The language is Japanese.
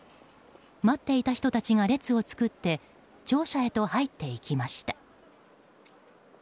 待っていた人たちが列を作って庁舎へと入っていきました。